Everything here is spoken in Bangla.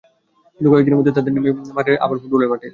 কিন্তু কয়েক দিনের মধ্যেই তাঁদের নেমে পড়তে হবে আবার ফুটবলের মাঠে।